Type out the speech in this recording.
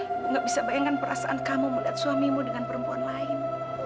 tidak bisa bayangkan perasaan kamu melihat suamimu dengan perempuan lain